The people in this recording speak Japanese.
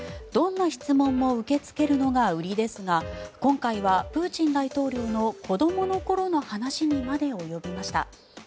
どんな質問も受け付けるのが売りですが今回はプーチン大統領の子どもの頃の話にまで及びました。